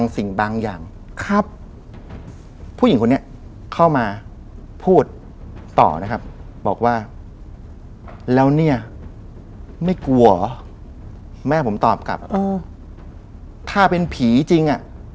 ใช่เขาบอกว่าเกิน๑๐